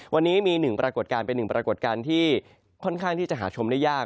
วันนี้มีหนึ่งปรากฏการณ์เป็นหนึ่งปรากฏการณ์ที่ค่อนข้างที่จะหาชมได้ยาก